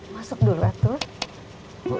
masuk dulu atul